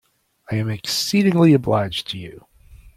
I am exceedingly obliged to you.